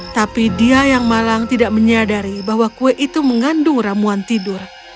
tapi dia yang malang tidak menyadari bahwa kue itu mengandung ramuan tidur